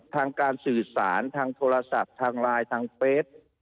ทางการสื่อสารทางโทรศัพท์ทางไลน์ทางเฟส